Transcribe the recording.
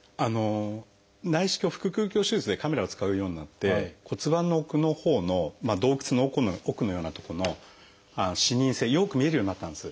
内視鏡腹くう鏡手術でカメラを使うようになって骨盤の奥のほうの洞窟の奥のようなとこの視認性よく見えるようになったんです。